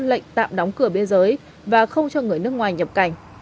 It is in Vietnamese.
lệnh tạm đóng cửa biên giới và không cho người nước ngoài nhập cảnh